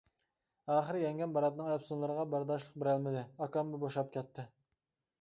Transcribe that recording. ئاخىرى يەڭگەم باراتنىڭ ئەپسۇنلىرىغا بەرداشلىق بېرەلمىدى، ئاكاممۇ بوشاپ كەتتى.